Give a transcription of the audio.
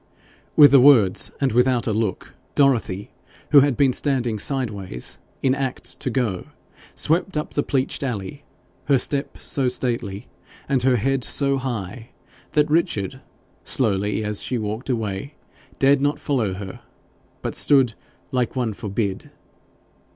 With the words, and without a look, Dorothy, who had been standing sideways in act to go, swept up the pleached alley, her step so stately and her head so high that Richard, slowly as she walked away, dared not follow her, but stood 'like one forbid.'